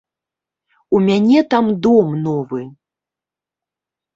У мяне там дом новы.